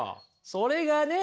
それがね